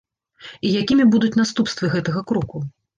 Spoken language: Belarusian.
І якімі будуць наступствы гэтага кроку?